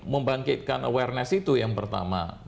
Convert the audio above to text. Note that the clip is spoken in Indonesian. membangkitkan awareness itu yang pertama